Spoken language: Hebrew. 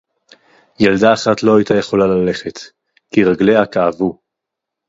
יַלְדָּה אַחַת לֹא הָיְתָה יְכוֹלָה לָלֶכֶת, כִּי רַגְלֶיהָ כָּאֲבוּ.